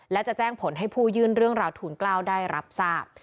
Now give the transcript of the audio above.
และจะแจ้งผลให้ผู้ยื่นเรื่องราวทูลเกล้าได้รับทราบ